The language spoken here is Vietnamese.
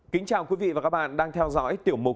kính chào quý vị và các bạn đang theo dõi tiểu mục